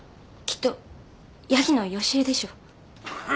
きっとヤギのヨシエでしょ。